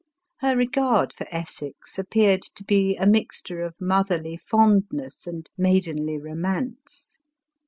Her regard for Essex appeared to be a mixture of motherly fondness and maidenly romance.